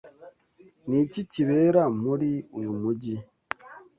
Ni iki kibera muri uyu mujyi?